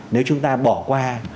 nếu chúng ta bỏ qua